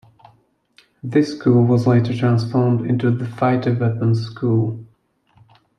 This School was later transformed into the Fighter Weapons School.